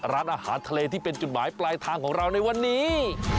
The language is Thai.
ร้านอาหารทะเลที่เป็นจุดหมายปลายทางของเราในวันนี้